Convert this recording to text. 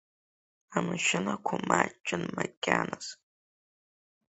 Амашьынақәа маҷын макьаназ.